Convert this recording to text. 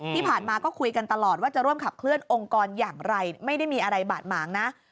ที่ผ่านมาก็คุยกันตลอดว่าจะร่วมขับเคลื่อองค์กรอย่างไรไม่ได้มีอะไรบาดหมางนะ